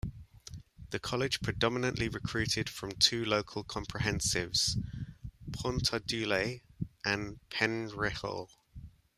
The College predominantly recruited from two local comprehensives: Pontarddulais and Penyrheol.